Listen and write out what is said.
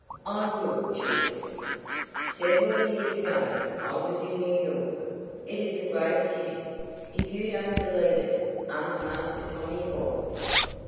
"I will, children. Several years ago I was in New York. It is a great city; if you don't believe it, ask Master Tommy Woggs."